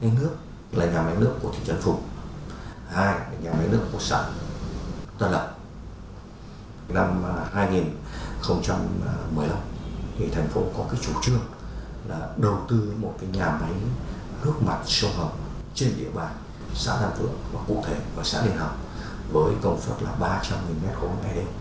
năm hai nghìn một mươi năm thành phố có chủ trương đầu tư một nhà máy nước mặt sông hồng trên địa bàn xã đan phượng và cụ thể xã điện hồng với công suất ba trăm linh m ba một ngày đêm